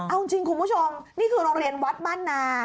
เอาจริงคุณผู้ชมนี่คือโรงเรียนวัดบ้านนา